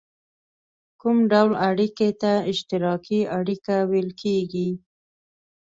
کوم ډول اړیکې ته اشتراکي اړیکه ویل کیږي؟